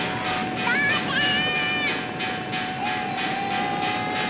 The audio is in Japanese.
お父ちゃん！